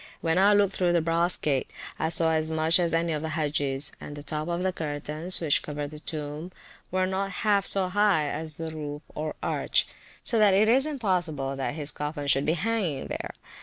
When I looked through the brass gate, I saw as much as any of the Hagges; and the top of the curtains, which covered the tomb, were not half so high as the roof or arch, so that it is impossible his coffin should be hanging there.